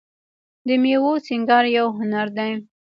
د میوو سینګار یو هنر دی.